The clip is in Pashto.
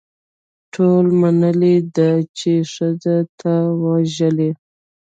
ټولو منلې ده چې ښځه تا وژلې.